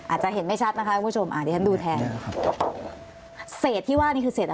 อาจจะเห็นไม่ชัดนะคะทุกผู้ชมอันนี้ฉันดูแทน